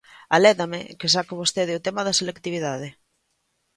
Alédame que saque vostede o tema da selectividade.